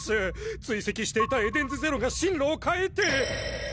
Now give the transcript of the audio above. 追跡していたエデンズゼロが進路を変えて。